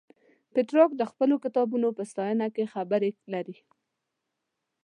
پترارک د خپلو کتابونو په ستاینه کې خبرې لري.